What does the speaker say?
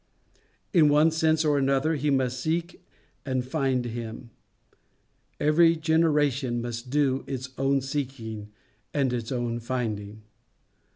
In one sense or another, he must seek and find him. Every generation must do its own seeking and its own finding.